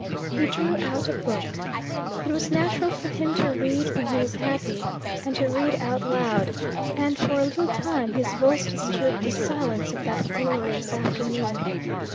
He drew out a book, it was natural for him to read when he was happy, and to read out loud, and for a little time his voice disturbed the silence of that glorious afternoon.